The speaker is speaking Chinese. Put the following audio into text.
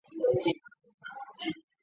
卒于洪武九年。